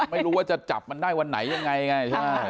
ไม่รู้ว่าจะจับมันได้วันไหนยังไง